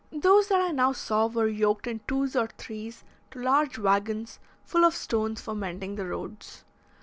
Those that I now saw were yoked in twos or threes to large waggons, full of stones for mending the roads.